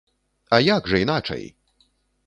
А як жа іначай!